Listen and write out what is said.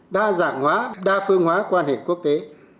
đa dạng hóa đa phương hóa quan hệ quốc tế